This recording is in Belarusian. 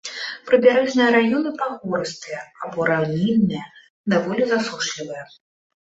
Прыбярэжныя раёны пагорыстыя або раўнінныя, даволі засушлівыя.